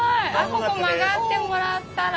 ここ曲がってもらったら。